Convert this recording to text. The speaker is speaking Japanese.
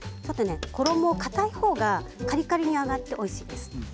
衣はかたい方がカリカリに揚がっておいしいんです。